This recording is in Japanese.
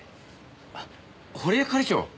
あっ堀江係長。